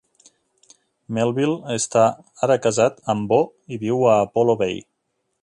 Melville està ara casat amb Bo, i viu a Apollo Bay.